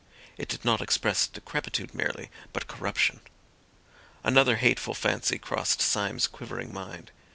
It did not express decrepitude merely, but corruption. Another hateful fancy crossed Syme's quivering mind.